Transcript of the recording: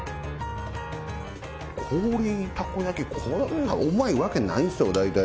氷にたこ焼き、こんなん、うまいわけがないんですよ、大体。